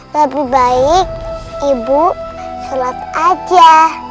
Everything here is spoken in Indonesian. lebih baik ibu sholat aja